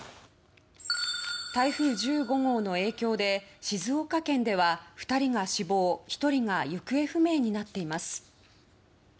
台風１５号の影響で静岡県では２人が死亡１人が行方不明になっています。